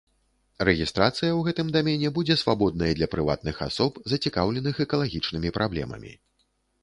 Рэгістрацыя ў гэтым дамене будзе свабоднай для прыватных асоб, зацікаўленых экалагічнымі праблемамі.